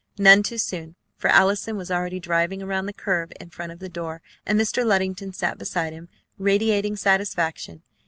None too soon, for Allison was already driving around the curve in front of the door, and Mr. Luddington sat beside him, radiating satisfaction.